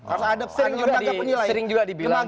ada sering juga dibilang bahwa